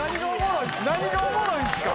何がおもろいんすか？